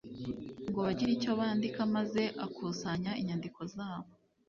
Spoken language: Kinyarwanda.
ngo bagire icyo bandika maze akusanya inyandiko zabo